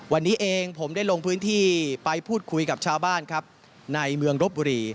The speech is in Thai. วันนี้เองผมได้ลงพื้นที่ไปพูดคุยกับชาวบ้านครับในเมืองรบบุรี